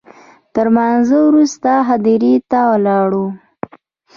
تر لمانځه وروسته هدیرې ته ولاړم.